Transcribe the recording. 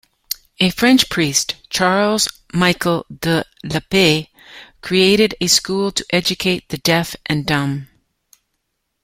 A French priest, Charles-Michel de l'Épée, created a school to educate the deaf-and-dumb.